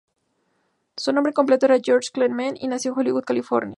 Su nombre completo era George Kline Mann, y nació en Hollywood, California.